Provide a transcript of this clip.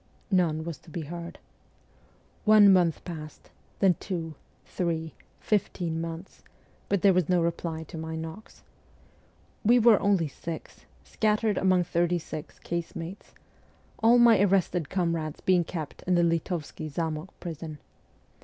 None was to be heard. One month passed, then two, three, fifteen months, but there was 110 reply to my knocks. We were only six, scattered among thirty six casemates all my arrested comrades being kept in the Litovskiy Zamok prison.